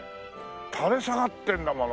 垂れ下がってるんだもの。